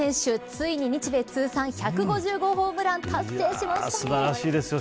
ついに日米通算１５０号ホームラン達素晴らしいですよ。